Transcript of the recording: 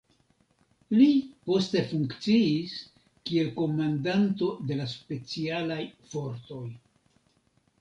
Li poste funkciis kiel komandanto de la specialaj fortoj.